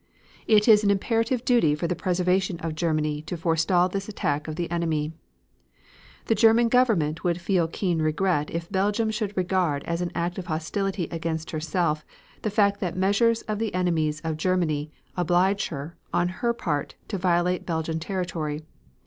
It is an imperative duty for the preservation of Germany to forestall this attack of the enemy. The German Government would feel keen regret if Belgium should regard as an act of hostility against herself the fact that the measures of the enemies of Germany oblige her on her part to violate Belgian territory.